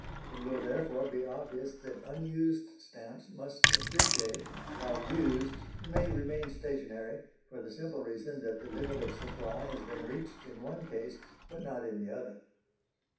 It will, therefore, be obvious that unused stamps must appreciate while used may remain stationary, for the simple reason that the limit of supply has been reached in one case but not in the other.